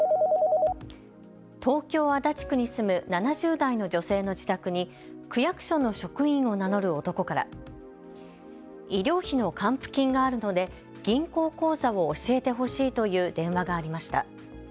東京・足立区に住む７０代の女性の自宅に区役所の職員を名乗る男から医療費の還付金があるので銀行口座を教えてほしいという電話がありました。